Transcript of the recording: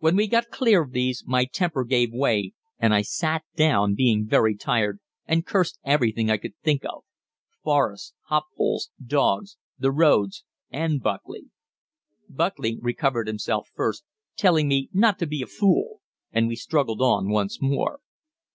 When we got clear of these my temper gave way and I sat down, being very tired, and cursed everything I could think of forests, hop poles, dogs, the roads, and Buckley. Buckley recovered himself first, telling me "not to be a fool," and we struggled on once more.